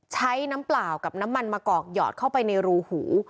ใช้น้ำเปล่ากับน้ำมันมะกอกหยอดเข้าไปในรูหู